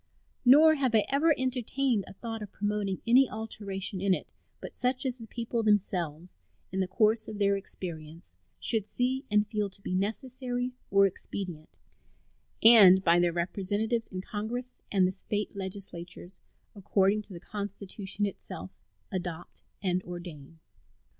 Nor have I ever entertained a thought of promoting any alteration in it but such as the people themselves, in the course of their experience, should see and feel to be necessary or expedient, and by their representatives in Congress and the State legislatures, according to the Constitution itself, adopt and ordain.